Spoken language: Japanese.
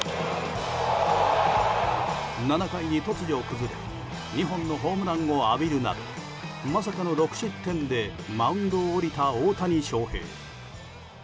７回に突如崩れ２本のホームランを浴びるなどまさかの６失点でマウンドを降りた大谷翔平。